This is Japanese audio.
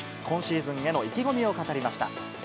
今シーズンへの意気込みを語りました。